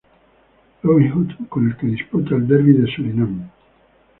Robinhood, con el que disputa el Derbi de Surinam.